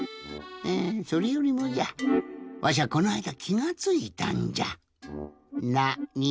えそれよりもじゃわしゃこないだきがついたんじゃ。